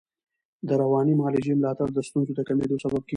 د رواني معالجې ملاتړ د ستونزو د کمېدو سبب کېږي.